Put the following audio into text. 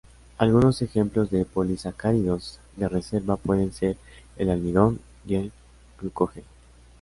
Algunos ejemplos de polisacáridos de reserva pueden ser: el almidón y el glucógeno.